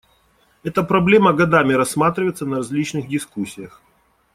Эта проблема годами рассматривается на различных дискуссиях.